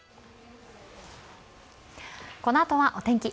このあとはお天気。